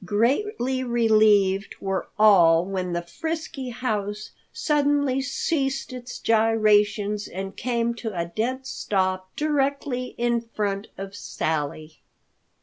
Greatly relieved were all when the frisky house suddenly ceased its gyrations and came to a dead stop directly in front of Sally.